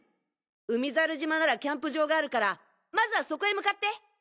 海猿島ならキャンプ場があるからまずはそこへ向かって！